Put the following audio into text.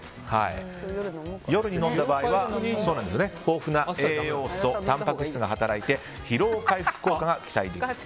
夜に飲んだ場合は豊富な栄養素たんぱく質が働いて疲労回復効果が期待できると。